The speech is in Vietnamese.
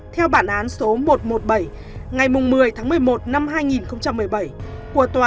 theo bản án số một trăm một mươi bảy